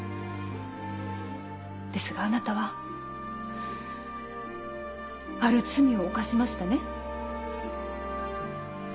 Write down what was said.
ですがあなたはある罪を犯しましたね。